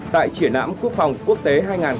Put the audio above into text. tại triển ám quốc phòng quốc tế hai nghìn hai mươi hai